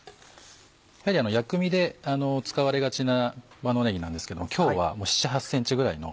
薬味で使われがちな万能ねぎなんですけども今日は７８ｃｍぐらいの。